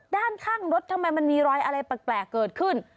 ด้านข้างรถทำไมมันมีรอยอะไรแปลกเกิดขึ้น